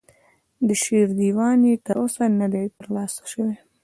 د شعر دیوان یې تر اوسه نه دی ترلاسه شوی.